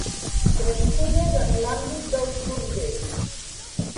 Crescudes en l'àmbit dels corders.